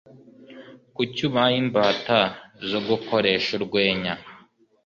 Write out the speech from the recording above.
kuki ubaye imbata zo gukoresha urwenya